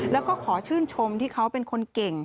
แล้วก็ขอชื่นชมที่เขาเป็นคนเก่ง